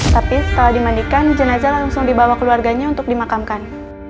tapi setelah dimandikan jenazah langsung dibawa keluarganya untuk dimakamkan